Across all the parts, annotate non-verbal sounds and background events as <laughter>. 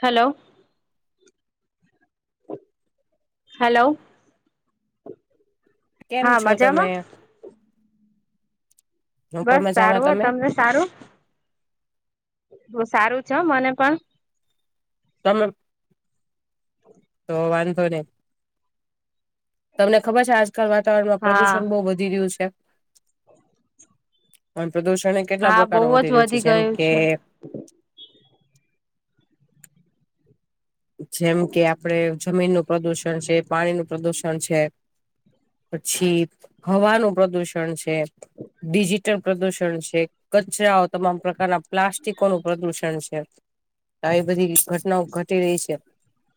Hello hello કેમ હા છો મજામાં તમે હું પણ બસ મજામાં સારું હો તમે તમને સારું- બહુ સારું છે મને પણ તમે તો વાંધો નહી- તમને ખબર છે આજકાલ વાતાવરણમાં હા પ્રદુષણ બહુ વધી રહ્યું છે. પણ પ્રદુષણ એ કેટલા હા પ્રકાર બહુ નો જ વધી રહ્યું છે જેમ ગયું કે છે જેમ કે આપડે જમીન નું પ્રદુષણ છે પાણી નું પ્રદુષણ છે. પછી હવાનું પ્રદુષણ છે, ડિજિટલ પ્રદુષણ છે. કચરાઓ તમામ પ્રકારના પ્લાસ્ટિકોનું પ્રદુષણ છે. આવી બધી ઘટનાઓ ઘટી રહી છે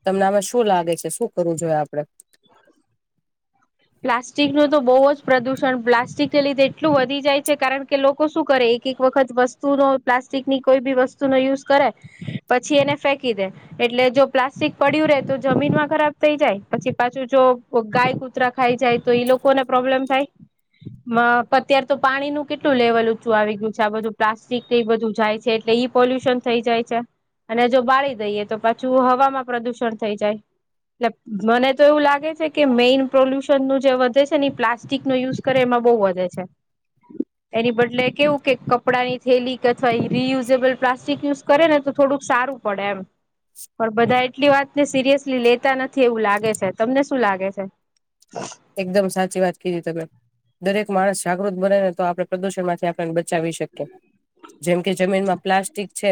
તમને આમાં શું લાગે છે શું કરવું જોઈએ આપડે- <inaudible> પ્લાસ્ટિક નું તો બહુ જ પ્રદુષણ પ્લાસ્ટિકને લીધે એટલું વધી જાય છે કારણ કે લોકો શું કરે- એક એક વખત વસ્તુનો પ્લાસ્ટિકની કોઈ બી વસ્તુ નો યુઝ કરે- પછી એને ફેંકી દે એટલે જો પ્લાસ્ટિક પડ્યું રે તો જમીનમાં ખરાબ થઈ જાય પછી પાછું જો ગાય કુતરા ખાઈ જાય તો એઈ લોકોને પ્રોબ્લેમ થાય. માં પા અત્યાર તો પાણી નું કેટલું લેવલ ઊંચું આવી ગયું છે આ બધું પ્લાસ્ટિક એ બધું જાય છે એટલે ઈ પોલ્યુશન થઇ જાય છે. અને જો બાળી દઈએ તો પાછું હવામાં પ્રદુષણ થઈ જાય એટલે મને તો એવું લાગે છે કે મેઈન પ્રોલ્યુશન નું જે વધે છે ને પ્લાસ્ટિક નો યુઝ કરે એમાં બહુ વધે છે. એની બદલે કેવું કે કપડાંની થેલી કે અથવા રિયુઝેબલ પ્લાસ્ટિક યુઝ કરે ને તો થોડુંક સારું પડે એમ પણ બધા એટલી વાતને સિરિયસલી લેતા નથી એવું લાગે છે. તમને શું લાગે છે? એકદમ સાચી વાત કીધી તમે દરેક માણસ જાગૃત બને ને તો આપડે પ્રદુષણ માંથી પણ બચાવી શકે જેમ કે જમીનમાં પ્લાસ્ટિક છે.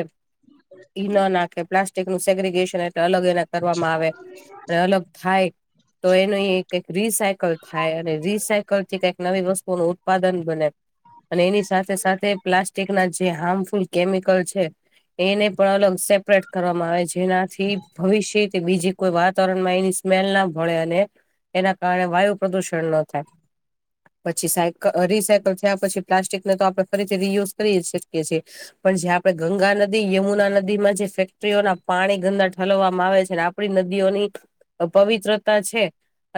ઈ ના નાખે પ્લાસ્ટિક નું સેગ્રીગેશન એટલે અલગ એના કરવામાં આવે અને અલગ થાય તો એનું રિસાઈ કલ થાય અને રીસાયકલ થી કઈક નવી વસ્તુઓ નું ઉત્પાદન બને. અને એની સાથે સાથે પ્લાસ્ટિક ના જે હાર્મફુલ કેમિકલ છે એને પણ અલગ સેપરેટ કરવામાં આવે જેનાથી ભવિષ્યથી બીજી કોઈ વાતાવરણમાં એની સ્મેલ ના ભળે અને એના કારણે વાયુ પ્રદુષણ ના થાય. પછી સાયક અહ રીસાયકલ થયા પછી પ્લાસ્ટિકને તો આપડણે ફરીથી રીયુઝ કરી શકીએ છીએ. પણ જે આપડે ગંગા નદી યમુના નદીમાં જે ફેક્ટરીઓના પાણી ગંદા ઠલવવામાં આવે છે ને આપ પણી નદીઓની પવિત્રતા છે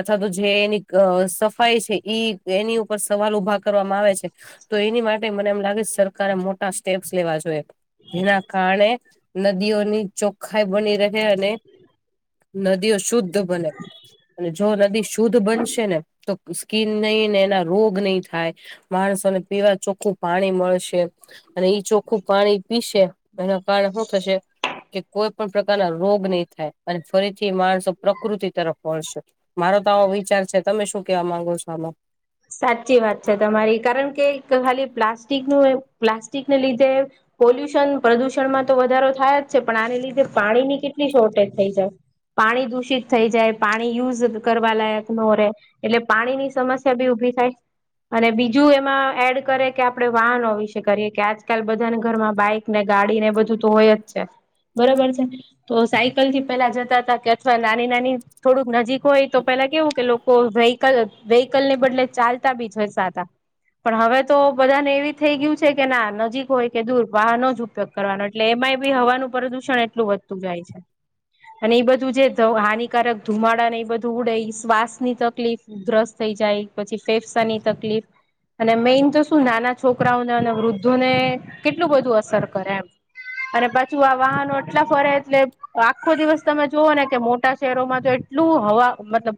અથવા તો જે એની ક અહ સફાઈ છે ઈ એની ઉપર સવાલ ઉભા કરવામાં આવે છે. તો એની માટે મને એમ લાગે સરકારે મોટા સ્ટેપ્સ લેવા જોએ. જેના કારણે નદીઓની ચોખખાઈ બની રહે અને નદીઓ શુદ્ધ બને અને જો નદી શુદ્ધ બનશ તો સ્કીન ની ને એના રોગ નહીં થાય. માણસોને પીવા ચોખ્ખું પાણી મળશે. અને ઈ ચોખ્ખું પાણી પીસે તો એના કારણે શું થશે કે કોઈ પણ પ્રકારના રોગ નહી થાય અને ફરીથી માણસો પ્રકૃતિ તરફ વળશે. મારો તો આો વિચાર છે તમે શું કેવા માંગો છો આમાં? સાચી વાત છે તમારી. કારણ કે ખાલી પ્લાસ્ટિક નું એ પ્લાસ્ટિકને લીધે પોલ્યુશન પ્રદુષણમાં તો વધારો થયા જ છે પણ આને લીધે પાણી ની કેટલી શોર્ટેજ થઈ છે. પાણી દૂષિત થઈ જાય પાણી યુઝ કરવા લાયક નો રે એટલે પાણી ની સમસ સ ભી ઊભી થાય. અને બીજું એમાં એડ કરે કે આપડે વાહનો વિશે કરીએ કે આજકાલ બધાને ઘરમાં બાઈક ને ગાડી ને બધું તો હોય જ છે, બરોબર છે. તો સાયકલ થી પેલા જતા હતા કે અથવા નાની નાની થોડુંક નજીક હોય એ તો પેલા કેવું કે લોકો વેહકલ લ ની બદલે ચાલતા બી છે સાતા. પણ હવે તો બધા ને એવી થઈ ગયું છે કે ના નજીક હોય કે દૂર વાહનો જ ઉપયોગ કરવાનું એટલે એમાંય બી હવાનું પ્રદુષણ એટલું વધતું જાય છે. અને એ બધું જે હાનિકારક ધુમાડા ને એ બધું ઉડે એ શ્વાસ ની તકલીફ ઉધરસ થઈ જાય પછી ફેફસાની તકલીફ. અને મેઈન તો શું નાના છોકરા ઓને અને વૃદ્ધોને કેટલું બધું અસર કરે એમ. અરે પાછું આ વાહનો એટલા ફરે એટલે આખો દિવસ તમે જુવો ને કે મોટા શહેરોમાં તો એટલું હવા મતલબ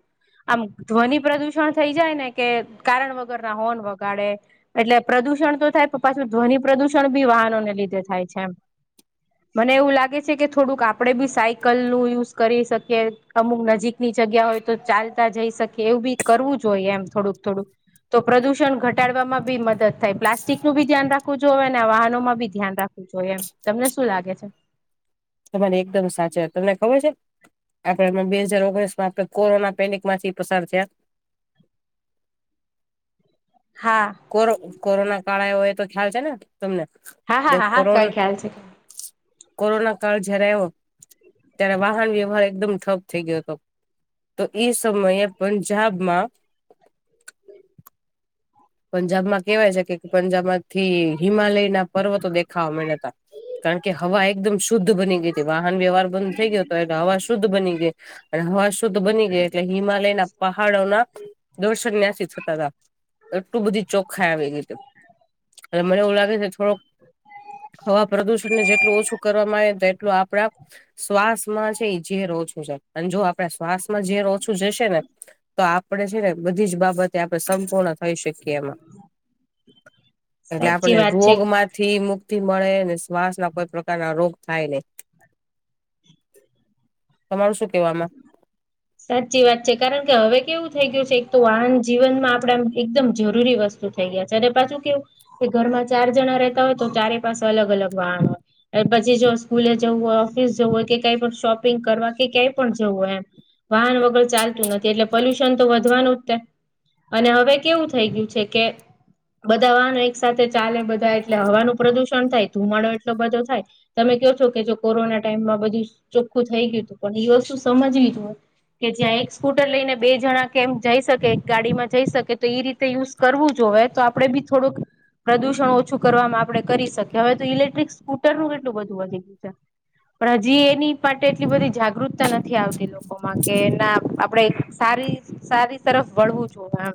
આમ ધ્વનિ પ્રદુષણ થઈ જાય ને કે કારણ વગરના હોર્ન વગાડે એટલે પ્રદુષણ તો થાય પાછું ધ્વનિ પ્રદુષણ બી વાહનોને લીધે થાય છે એમ. મને એવું લાગે છે કે થોડુંક આપણે બી સાયકલ નું યુઝ કરી શકીએ. અમુક નજીકની જગ્યા હોય તો ચાલતા જઈ શકે એવું બી કરવું જોઈએ એમ થોડુંક થોડુંક. તો પ્રદુષણ ઘટાડવામાં બી મદદ થાય પ્લાસ્ટિક નું બી ધ્યાન રાખવું જો હવે અને વાહનોમાં ભી ધ્યાન રાખવું. જો એમ તમને શું લાગે છે તમારી એકદમ સાચા તમને ખબર છે આપડે બે હાજાર ઓગણીસ માં આપણે કોરોના પેનિક માંથી પસાર થયા હા. કો કોરોના કાળ આવ્યો એ તો ખ્યાલ છે ને હા હા તમને હા હા કોરો કઈ ખ્યાલ છે કોરોના કાળ જરા આવો. ત્યારે વાહન વ્યવહાર એકદમ ઠપ થઈ ગયો હતો. તો એ સમયે પંજાબમાં. પંજાબમાં કેહેવાય છે કે પંજાબ માંથી હિમાલય ના પર્વતો દેખાવા મળ્યાતા. કારણ કે હવા એકદમ શુદ્ધ બની ગઈ હતી વાહન વ્યવહાર બંધ થઈ ગયો હતો એટલે હવા શુદ્ધ બની ગઈ. અને હવા શુદ્ધ બની ગઈ એટલે હિમાલય ના પહાડોના દર્શન ન્યાસી થતા હતા. એટલું બધી ચોખા આવી ગી હતી એટ મને એવું લાગે છે થોડોક. હવા પ્રદુષણ ને જેટલું ઓછું કરવામાં આવે એટલું આપડ. શ્વાસમાં છે ઝેર ઓછું છે અને જો આપડે શ્વાસ માં ઝેર ઓછું જશે ને. તો આપણેે છે ને બધી જ બાબતે આપણે સંપૂર્ણ થઈ શકીએ એમાં. એટલે સાચી આપણને વાત રોગ છે માંથી મુક્તિ મળે શ્વાસ ના કોઈ પ્રકારના રોગ થાય નહી. તમારું શું કેવામાં. સાચી વાત છે કારણ કે હવે કેવું થઈ ગયું છે એક તો વાહન જીવનમાં આપણે એકદમ જરૂરી વસ્તુ. થઈ ગયા છે અને પાછું કેવું કે ઘરમાં ચાર જણા રહેતા હોય તો ચારે પાસે અલગ અલગ વાહણ હોય. પછી જો સ્કૂલે જવું હોય ઓફિસ જવું હોય કે કઈ પણ શોપિંગ કરવા કે ક્યાંય પણ જવું હોય એમ. વાહન વગર ચાલતું નથી એટલે પોલ્યુશન તો વધવાનું જ. અને હવે કેવું થઈ ગયું છે કે. બધા વાહનો એક સાથે ચાલે બધા એટલે હવાનું પ્રદુષણ થાય ધુમાડો એટલો બધો થાય. તમે કહો છો કે જો કોરોના ટાઈમમાં બધું ચોખ્ખું થઈ ગયું હતું પણ એ વસ્તુ સમજવી જો હોય. કે જ્યાં એક સ્કૂટર લઈને બે જણા કેમ જઈ શકે એક ગાડીમાં જઈ શકે તો એ રીતે યુઝ. કરવું જોઈએ તો આપડે બી થોડુંક. પ્રદૂષણ ઓછું કરવામાં આપડણે કરી શકીએ હવે તો ઇલેક્ટ્રિક સ્કૂટરનુંું કેટલું બધું વધી ગયું છે. પણ હજી એની માટે એટલી બધી જાગૃતતા નથી આવતી લોકોમાં. કે ના આપણેે સારી સારી તરફ વળવું છું એમ.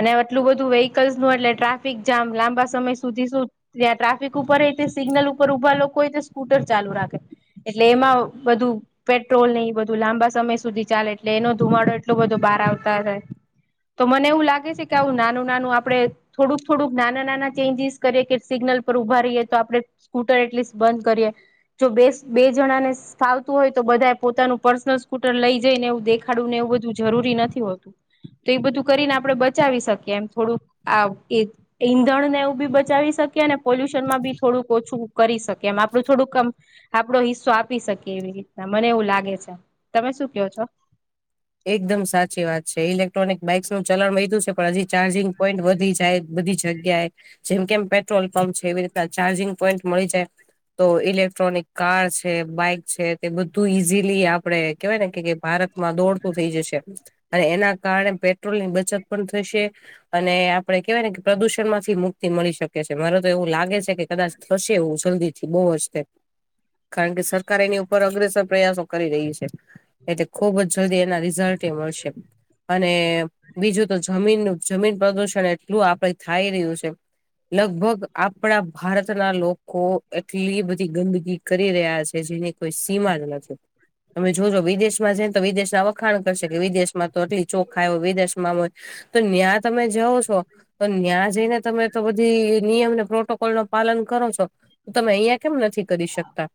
અને આટલું બધું વેહકલ્સ નું એટલે ટ્રાફિક જામ લાંબા સમય સુધી શું. ત્યાં ટ્રાફિક ઉપર હોય સિગ્નલ ઉપર ઊભા લોકો હોય તો સ્કૂટર ચાલુ રાખે. એટલે એમાં બધું પેટ્રોલ નહ. બધું લાંબા સમય સુધી ચાલે એટલે એનો ધુમાડો એટલો બધો બહાર આવતા થાય. તો મને એવું લાગે છે કે આવું નાનું નાનું આપડે. થોડુંક થોડુંક નાના નાના ચેન્જીસ કરીએ કે સિગ્નલ પર ઉભા રએ તો આપડણે. સ્કૂટર એટલીસ્ટ બંધ કરીએ જો બે બે જણાને ફાવતું હોય તો બધાએ પોતાનું. પર્સનલ સ્કૂટર લઈ જઈ ને એવું દેખાડું ને એવું બધું જરૂરી નથી હોતું. તો એ બધું કરીને આપડણે બચાવી શકીએ એમ થોડુંક આ એ ઈંધણનેવું બી બચાવી શકી અનેને પોલ્યુશનમાં બી થોડુંક ઓછું કરી શકે એમ આપડું થોડુંક આમ આપડો હિસ્સો આપી શકીએ એવી રીતના મને એવું લાગે છે તમે શું કહો છો. એકદમ સાચી વાત છે, ઇલેક્ટ્રોનિક બાઇક્સનુંું ચલાણ વધ્યું છે પણ હજી ચાર્જિંગ પોઈન્ટ વધી જાય. બધી જગ્યાએ જેમ કેમ પેટ્રોલ પંપ છે એવી રીતના ચાર્જિંગ પોઈન્ટ મળી જાય. તો ઇલેક્ટ્રોનિક કાર છે બાઈક છે તે બધું ઈઝીલી આપડે કેહેવાય ને કે ભારત માં દોડતું થઈ જશે અને એના કારણે પેટ્રોલ ની બચત પણ થશે. અને આપડે કેહેવાય ને કે પ્રદુષણ માંથી મુક્તિ મળી શકે છે મારે તો એવું લાગે છે કે કદાચ. થશે એવું જલ્દી થી બહુ હર્તે. કારણ કે સરકાર એની ઉપર અગ્રેસર પ્રયાસો કરી રહી છે એટલે ખુબ જ જલ્દી એના. રિઝલ્ટ એ મળશે. અને બીજું તો જમીનનું જમીન પ્રદુષણ એટલું આપડ થાય રહ્યું છે. લગભગ આપણા ભારત ના લોકો એટલી બધી ગંદકી કરી રહ્યા છે જેની કોઈ સીમા જ નથી તમે જોજો વિદેશમાં છેને તો વિદેશના વત વખાણ કરશે કે વિદેશ માં તો એટલી ચોખાઇ આવું વિદેશમાં હોય તો ત્યાં તમે જાઓ છો તો ત્યાં જઈને તમે તો બધી નિયમ ને પ્રોટોકોલ નો પાલન કરો છો. તો તમે અહિયાં કેમ નથી કરી શકતા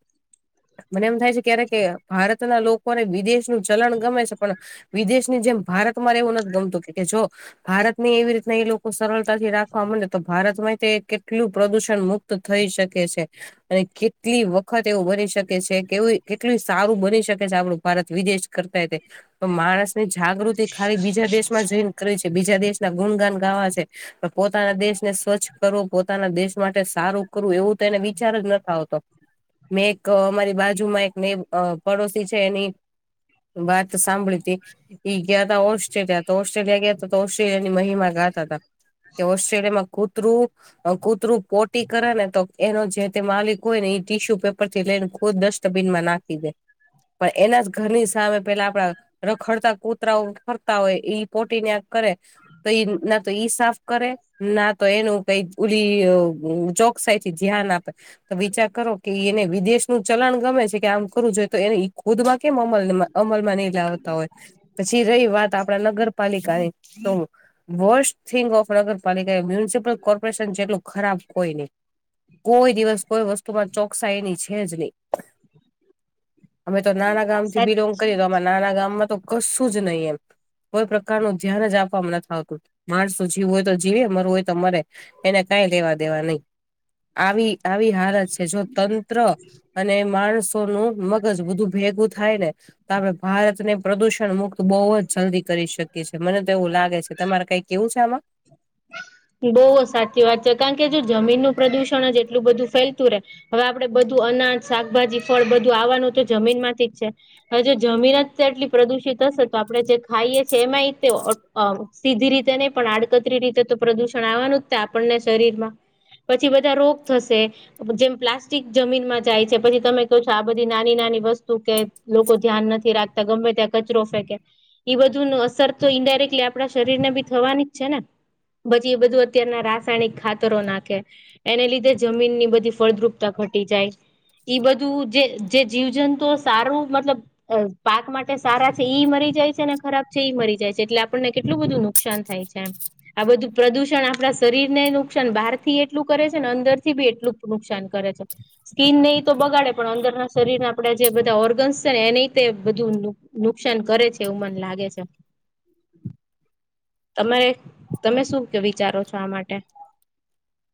મને એમ થાય છે ક્યારે કે ભારતના લોકોને વિદેશનું ચલણ ગમે છે. વિદેશ ની જેમ ભારતમાં રેવું નથી ગમતું કે જો ભારત ની એવી રીતના એ લોકો સરળતાથી રાખવા માંડે તો ભારતમાં તે કેટલું પ્રદુષણ મુક્ત તો થઈ શકે છે. અને કેટલી વખત એવું બની શકે છે કે એવું કેટલું સારું બની શકે છે આપડું ભારત વિદેશ કરતાંય તો માણસ ની જાગૃતિ ખાલી બીજા દેશમાં જઈને કરે છે બીજા દેશ ના ગુણગાન ગાવા છે. પોતાના દેશને સ્વચ્છ કરવું પોતાના દેશ માટે સારું કરવું એવું તો એને વિચાર જ નતો આવતો. મેં એક અમારી બાજુમાં એક ને આ પડોશી છે એની વાત સાંભળી હતી ઈ ગયા હતા ઓસ્ટ્રેલિયા તો ઓસ્ટ્રેલિયા ગયા હતા તો ઓસ્ટ્રેલિયા ની મહિમા ગાતા હતા. કે ઓસ્ટ્રેલિયામાં કૂતરું અ કૂતરું પોટી કરે ને તો એનો જે તે માલિક હોય ને એ ટીશ્યુ પેપર થી લઈને ખુદ <unintelligible> ડસ્ટબિનમાં નાખી દે પણ એના જ ઘરની સામે પેલા આપડા રખડતા કૂતરાઓ ફરતા હોય ઈ પોટી ક્યાંક ત્યાં કરે તો ના તો ઈ સાફ કરે ના તો એનું કઈ ઓલી ચોકસાઈ થી ધ્યાન આપે. તો વિચાર કરો કે એને વિદેશ નું ચલાણ ગમે છે કે આમ કરવું જોઈએ તો એને ખુદમાં કેમ અમલમાં અમલમાં નહી લાવતા હોય. પછી રહી વાત આપણા નગરપાલિકાની તો વર્સ્ટ થિંગ ઓફ નગર પાલિકા એ મ્યુનિસિપલ કોર્પોરેશન જેટલું ખરાબ કોઈ નહી કોઈ દિવસ કોઈ વસ્તુ માં ચોકસાઈ એની છે જ નહી. અમે તો નાના ગામ થી સાચ બિલોંગ કરીએ તો અમે નાના ગામમાં તો કશું જ નહી એમ. કોઈ પ્રકાર નું ધ્યાન જ આપવામાં નથી આવતું માણસને જીવું હોય તો જીવે મરવું હોય તો મરે. એને કઈ લેવા દેવા નહી આવી આવી હાલત છે જો તંત્ર અને માણસોનું મગજ બધું ભેગું થાય ને તો આપણે ભારત ને પ્રદુષણ મુક્ત બહુ જ જલ્દી કરી શકીએ છીએ મને તો એવું લાગે છે તમારે કઈંક કેવું છે આમાં. બહુ સાચી વાત છે કારણ કે જો જમીનનું પ્રદુષણ જ એટલું બધું ફેલતું રહે હવે આપડે બધું અનાજ, શાકભાજી, ફળ બધું આવવાનું તો જમીન માંથી જ છે. હ જો જમીન જ એટલી પ્રદુષિત હશે તો આપણે જે ખાઈએ છે એમાં ઈ તો અ સીધી રીતે નહી પણ આડકતરી રીતે તો પ્રદુષણ આવવાનું જ છે આપણને શરીર માં. પછી બધા રોગ થશે. જેમ પ્લાસ્ટિક જમીનમાં જાય છે પછી તમે કહો છો આ બધી નાની નાની વસ્તુ કે લોકો ધ્યાન નથી રાખતા ગમે ત્યાં કચરો ફેંકે. ઈ બધું નો અસર તો ઈન્ડાયરેક્ટલી આપણા શરીર ને બી થવાની જ છે ને. પછી, એ બધું અત્યારના રાસાયણિક ખાતરો નાખે. એને લીધે જમીનની બધી ફળદ્રુપતા ઘટી જાય. ઈ બધું જે જે જીવજંતુઓ સારું મતલબ પાક માટે સારા છે ઈ મરી જાય છે અને ખરાબ છે ઈ મરી જાય છે એટલે આપણને કેટલું બધું નુકસાન થાય છે એમ. આ બધું પ્રદૂષણ આપણા શરીર નેય નુકસાન બહારથી એટલું કરે છે ને અંદર થી બી એટલું જ નુકસાન કરે છે. સ્કીિનને ઈ તો બગાડે પણ અંદરના શરીર ના આપડા જે બધા ઓર્ગન્સ છે ને એ ન તે બધું નુકસાન કરે છે એવું મને લાગે છે. તમારે તમે શું વિચારો છો આ માટે.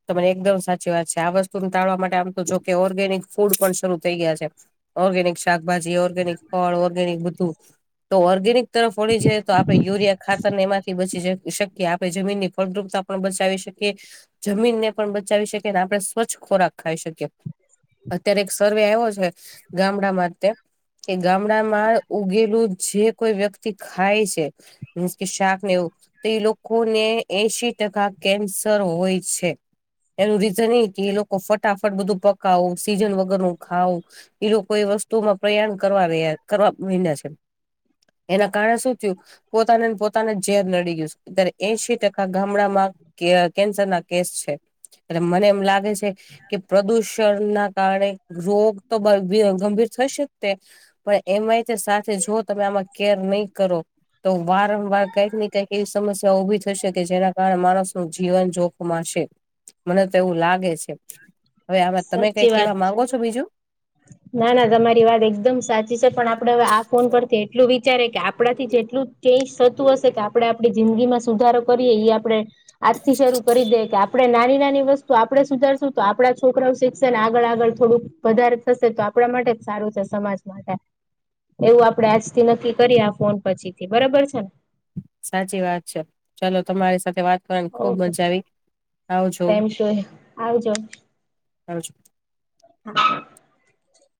તમારી એકદમ સાચી વાત છે આ વસ્તુને ટાળવા માટે આમ તો જોકે ઓર્ગેનિક ફૂડ પણ શરૂ થઈ ગયા છે. ઓર્ગેનિક શાકભાજી ઓર્ગેનિક ફળ ઓર્ગેનિક બધું તો ઓર્ગેનિક તરફવળી જાય તો આપડે યુરિયા ખાતર ને એમાંથી બચી જાય <unintelligible> કે આપણે જમીન ની ફળદ્રુપતા પણ બચાવી શકીએ. જમીનને પણ બચાવી શકીએ ને આપણે સ્વચ્છ ખોરાક ખાઈ શકીએ. અત્યારે એક સર્વે આવ્યો છે ગામડા માટે કે ગામડામાં ઉગેલું જે કોઈ વ્યક્તિ ખાય છે. મીસ કે શાક ને એવું તો એ લોકો ને એશી ટકા કેન્સર હોય એનું રીઝન એ કે એ લોકો ફટાફટ બધું પકાવું સીઝન વગર નું ખાવ એ લોકો એ વસ્તુમાં પ્રયાણ કરવા રહ્યા કરવા મહિના છે. એના કારણે શું થયું પોતાને પોતાના ઝેર નડી ગયું અત્યારે એશી ટકા ગામડામાં કેન્સર ના કેસ છે મને એમ લાગે છે. કે પ્રદુષણ ના કારણે રોગ તો ગંભીર થઈ શકતે પણ એમાંય સાથે જો તમે આમાં કેર નહી કરો તો વારંવાર કઈક ને કંઈક એવી સમસ્યા ઉભી થશે કે જેના કારણે માણસ નું જીવન જોખમ <unintelligible> મને તો એવું લાગે છે હવે આ તમે સાચી કઈ વાત કેવા છે. માંગો છો બીજું ના ના તમારી વાત એકદમ સાચી છે પણ આપડે હવે આ ફોન પરથી એટલું વિચારે કે આપણાથી જેટલું ચેન્જ થતું હશે કે આપડે આપણી જિંદગી માં સુધારો કરીએ એ આપડે આજથી શરૂ કરી દે કે આપણે નાની નાની વસ્તુ આપણે સુધારશું તો આપણા છોકરા શિક્ષણ આગળ આગળ થોડુંક વધારે થશે તો આપણા માટે જ સારું છે સમાજ માટે એવું આપડે આજથી નક્કી કરીએ આ ફોન પછી થી બરાબર છે ને સાચી વાત છે ચલો તમારી સાથે વાત કરવાની ખુબ ઓકે મજા આવી. આવજો <unintelligible> આવજો આવજો <inaudible>